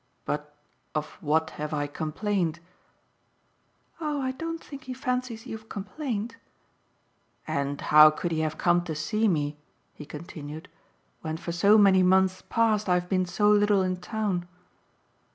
"But of what have I complained?" "Oh I don't think he fancies you've complained." "And how could he have come to see me," he continued, "when for so many months past I've been so little in town?"